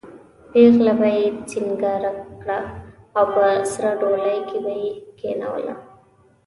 پېغله به یې سینګاره کړه او په سره ډولۍ کې به یې کېنوله.